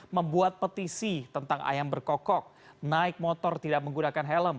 membuat petisi tentang ayam berkokok naik motor tidak menggunakan helm